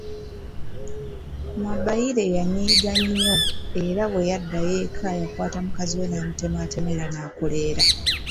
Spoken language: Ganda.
Mabaire yanyiiga nnyo era bweyaddayo eka yakwata mukaziwe namutematema era n’akolera